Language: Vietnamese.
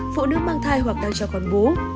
phụ nữ mang thai hoặc đang cho con bú